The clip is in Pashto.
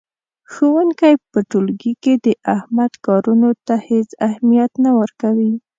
ښوونکی په ټولګي کې د احمد کارونو ته هېڅ اهمیت نه ورکوي.